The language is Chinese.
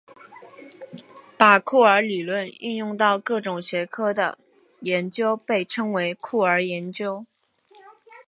把酷儿理论应用到各种学科的研究被称为酷儿研究。